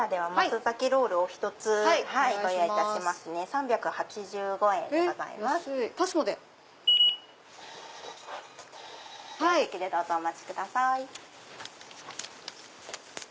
お席でどうぞお待ちください。